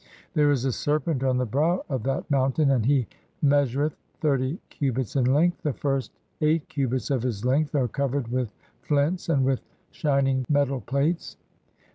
There is a serpent on the brow of that "Mountain, and he measureth thirty cubits in length ; the first "eight cubits of his length are [covered] with (5) flints and with "shining metal plates.